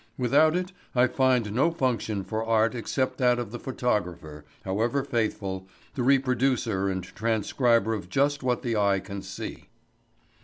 Without it I find no function for art except that of the photographer, however faithful, the reproducer and transcriber of just what the eye can see.